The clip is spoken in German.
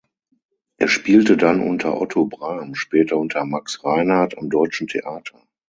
Er spielte dann unter Otto Brahm, später unter Max Reinhardt am Deutschen Theater.